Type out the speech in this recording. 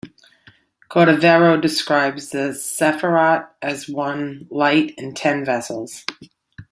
Cordovero describes the sephirot as one light in ten vessels.